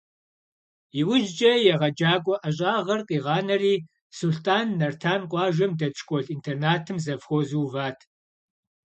Иужькӏэ егъэджакӏуэ ӏэщӏагъэр къигъанэри, Сулътӏан Нартан къуажэм дэт школ-интернатым завхозу уват.